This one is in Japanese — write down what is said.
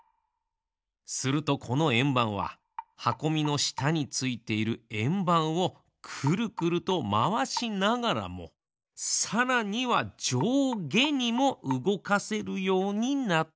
するとこのえんばんははこみのしたについているえんばんをくるくるとまわしながらもさらにはじょうげにもうごかせるようになったのです。